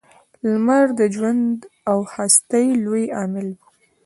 • لمر د ژوند او هستۍ لوی عامل و.